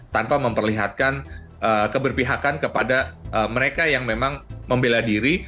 tanpa memperlihatkan keberpihakan kepada mereka yang memang membela diri